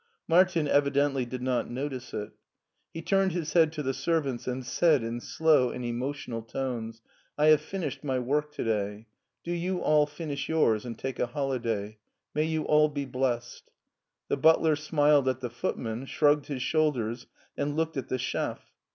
Martin evidently did not notice it. He turned his head to the servants and said in slow and emotional tones, " I have finished my work to day; do you all finish yours and take a holiday. May you all be blessed." The butler smiled at the footman, shrugged his shoulders, and looked at the chef.